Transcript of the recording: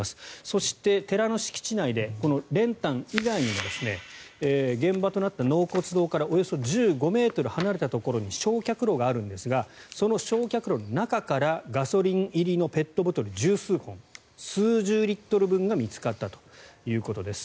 そして、寺の敷地内でこの練炭以外にも現場となった納骨堂からおよそ１５ｍ離れたところに焼却炉があるんですがその焼却炉の中からガソリン入りのペットボトル１０数本数十リットル分が見つかったということです。